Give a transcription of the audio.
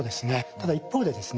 ただ一方でですね